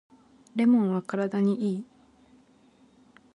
レモンは体にいい